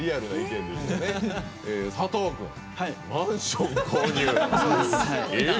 佐藤君、マンション購入。